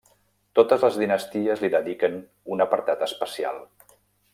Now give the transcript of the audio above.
Totes les dinasties li dediquen un apartat especial.